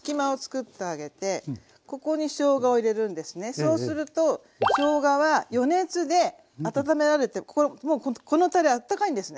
そうするとしょうがは余熱であたためられてこのこのたれあったかいんですね。